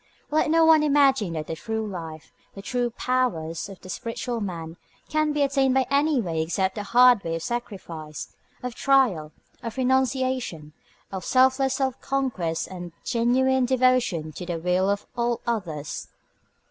Let no one imagine that the true life, the true powers of the spiritual man, can be attained by any way except the hard way of sacrifice, of trial, of renunciation, of selfless self conquest and genuine devotion to the weal of all others.